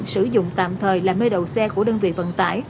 sử dụng tạm thời là mê đậu xe của đơn vị vận tải